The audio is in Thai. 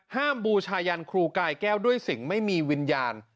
บูชายันครูกายแก้วด้วยสิ่งไม่มีวิญญาณ